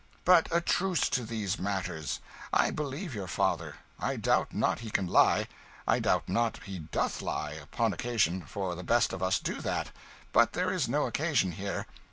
But a truce to these matters; I believe your father. I doubt not he can lie; I doubt not he doth lie, upon occasion, for the best of us do that; but there is no occasion here.